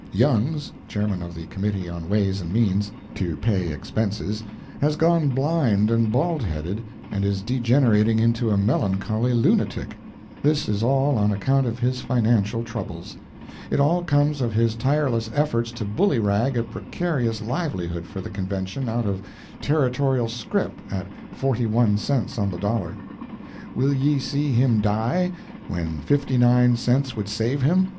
Youngs, Chairman of the Committee on Ways and Means (to pay expenses), has gone blind and baldheaded, and is degenerating into a melancholy lunatic; this is all on account of his financial troubles; it all comes of his tireless efforts to bullyrag a precarious livelihood for the Convention out of Territorial scrip at forty one cents on the dollar. Will ye see him die, when fifty nine cents would save him?